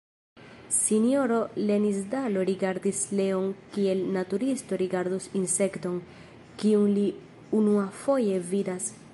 Sinjoro Lenisdalo rigardis Leon kiel naturisto rigardus insekton, kiun li unuafoje vidas.